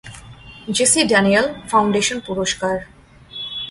JC Daniel foundation পুরস্কার